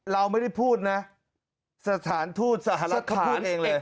เราไม่ได้พูดนะสถานทูตสหรัฐพูดเองเลย